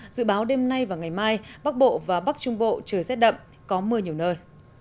dự báo đêm nay và ngày mai bắc bộ và bắc trung bộ trời rét đậm có mưa nhiều nơi